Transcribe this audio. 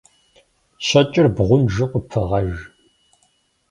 Щэкӏыр бгъунжу къыпыгъэж.